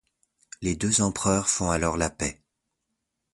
Les deux empereurs font alors la paix.